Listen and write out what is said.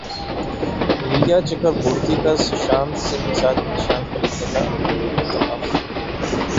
ریا چکربورتی کا سشانت سنگھ کے لیے منشیات خریدنے کا اعتراف